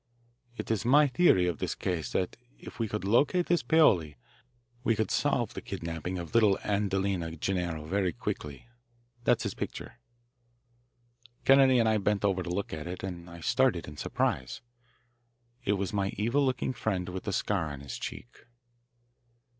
"It is my theory of this case that if we could locate this Paoli we could solve the kidnapping of little Adelina Gennaro very quickly. That's his picture." Kennedy and I bent over to look at it, and I started in surprise. It was my evil looking friend with the scar on his cheek.